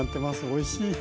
おいしい。